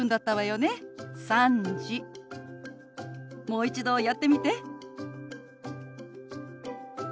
もう一度やってみて。